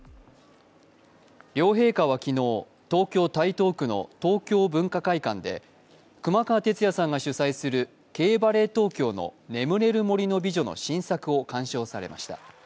両陛下は昨日、東京・台東区の東京文化会館で熊川哲也さんが主宰するＫ−ＢＡＬＬＥＴＴＯＫＹＯの「眠れる森の美女」の新作を鑑賞されました。